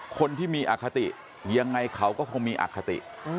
คนที่มีอคติยังไงเขาก็คงมีอคติ